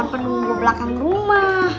bukan penunggu belakang rumah